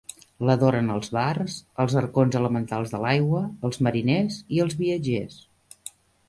L'adoren els bards, els arconts elementals de l'aigua, els mariners i els viatgers.